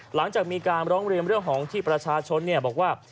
หลังจากมีการร้องเรียนเรื่องของที่ประชาชนบอกว่า